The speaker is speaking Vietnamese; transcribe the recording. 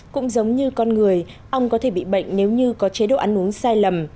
cũng giống như con người ong có thể bị bệnh nếu như có chế độ ăn uống sai lầm